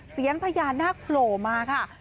เซียนพญานาคโผล่มาค่ะ